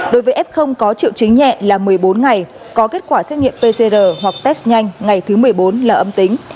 đối với f có triệu chứng nhẹ là một mươi bốn ngày có kết quả xét nghiệm pcr hoặc test nhanh ngày thứ một mươi bốn là âm tính